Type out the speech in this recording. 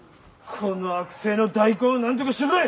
この悪声の大根をなんとかしろい！